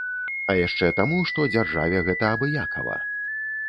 А яшчэ таму, што дзяржаве гэта абыякава.